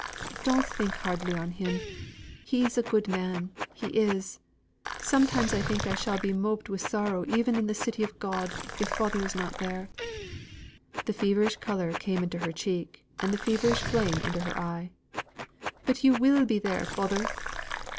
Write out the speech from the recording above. "Don't think hardly on him he's a good man, he is. I sometimes think I shall be moped wi' sorrow even in the City of God, if father is not there." The feverish colour came into her cheek, and the feverish flame into her eye. "But you will be there, father!